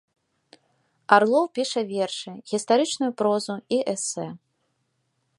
Арлоў піша вершы, гістарычную прозу і эсэ.